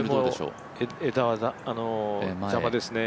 これも枝は邪魔ですね、